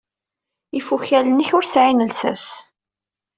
Ifukal-nnek ur sɛin llsas.